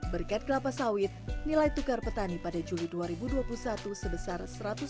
berkat kelapa sawit nilai tukar petani pada juli dua ribu dua puluh satu sebesar satu ratus dua puluh